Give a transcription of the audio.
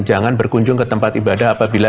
jangan berkunjung ke tempat ibadah apabila